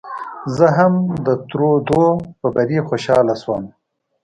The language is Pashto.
زه هم د ترودو په بري خوشاله شوم.